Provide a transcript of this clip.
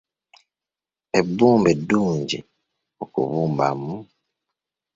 Ebbumba eddungi okubumbamu?